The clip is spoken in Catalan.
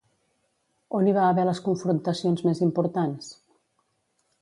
On hi va haver les confrontacions més importants?